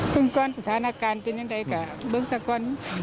พึ่งก้อนสถานการณ์เป็นอย่างไรคะเบิ้งสักก้อน